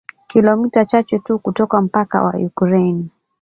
kilomita chache tu kutoka mpaka wa Ukraine.